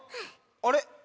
あれ？